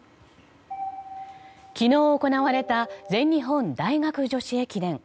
昨日行われた全日本大学女子駅伝。